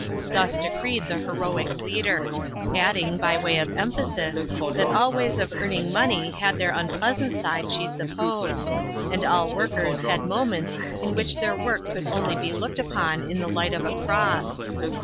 Thus decreed the heroic leader; adding, by way of emphasis, that all ways of earning money had their unpleasant side she supposed, and all workers had moments in which their work could only be looked upon in the light of a cross.